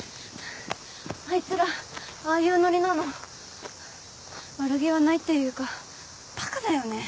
あいつらああいうノリなの悪気はないっていうかバカだよね